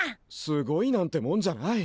すごいなんてもんじゃない。